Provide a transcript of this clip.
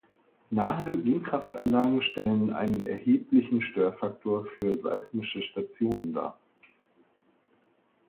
Nahe Windkraftanlagen stellen einen erheblichen Störfaktor für Seismische Stationen dar.